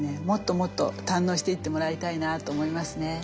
もっともっと堪能していってもらいたいなと思いますね。